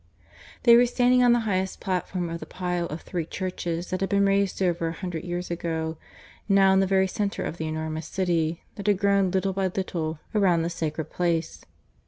They were standing on the highest platform of the pile of three churches that had been raised over a hundred years ago, now in the very centre of the enormous city that had grown little by little around the sacred place.